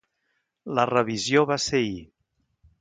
La revisió va ser ahir.